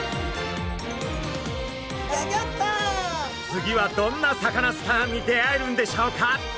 次はどんなサカナスターに出会えるんでしょうか？